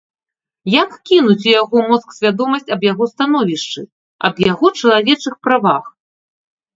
Як кінуць у яго мозг свядомасць аб яго становішчы, аб яго чалавечых правах?